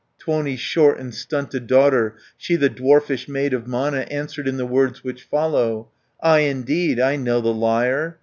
Tuoni's short and stunted daughter, She the dwarfish maid of Mana, Answered in the words which follow: "Ay, indeed, I know the liar!